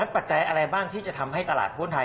ปัจจัยอะไรบ้างที่จะทำให้ตลาดหุ้นไทย